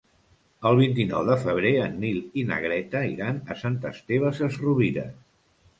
El vint-i-nou de febrer en Nil i na Greta iran a Sant Esteve Sesrovires.